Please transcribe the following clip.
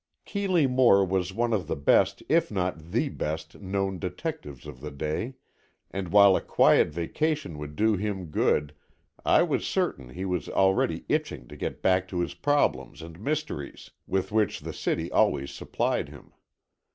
Keeley Moore was one of the best if not the best known detectives of the day, and while a quiet vacation would do him good, I was certain he was already itching to get back to his problems and mysteries, with which the city always supplied him.